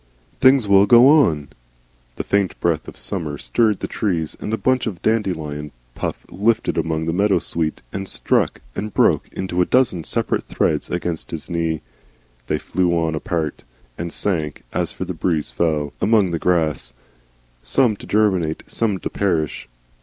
"Things WILL go on," he said. The faint breath of summer stirred the trees, and a bunch of dandelion puff lifted among the meadowsweet and struck and broke into a dozen separate threads against his knee. They flew on apart, and sank, as the breeze fell, among the grass: some to germinate, some to perish.